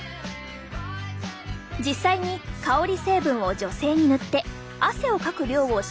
実際に香り成分を女性に塗って汗をかく量を調べると。